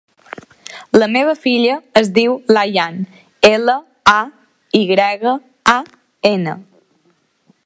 La meva filla es diu Layan: ela, a, i grega, a, ena.